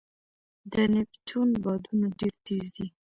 د نیپټون بادونه ډېر تېز دي.